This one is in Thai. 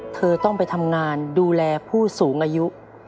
เธอต้องไปทำงานดูแลผู้สูงอายุ